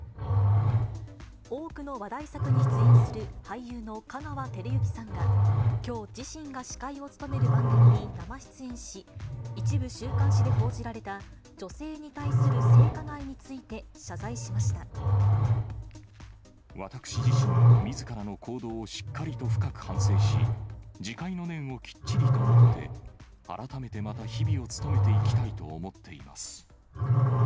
多くの話題作に出演する俳優の香川照之さんが、きょう、自身が司会を務める番組に生出演し、一部週刊誌で報じられた女性に対する性加害について、謝罪し私自身、みずからの行動をしっかりと深く反省し、自戒の念をきっちりと持って、改めてまた日々を務めていきたいと思っています。